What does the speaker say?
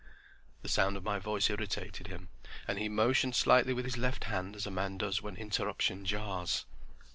The sound of my voice irritated him, and he motioned slightly with his left hand as a man does when interruption jars.